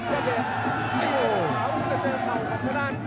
ลากมาที่มุมตัวเองครับเจ้าเดชน์